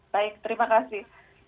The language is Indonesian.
baik terima kasih